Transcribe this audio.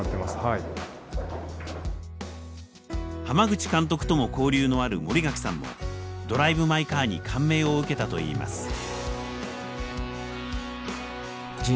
濱口監督とも交流のある森ガキさんも「ドライブ・マイ・カー」に感銘を受けたといいます。